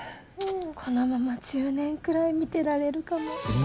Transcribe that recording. このまま１０年くらい見てられるかも。